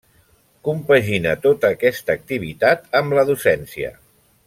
Compaginà tota aquesta activitat amb la docència.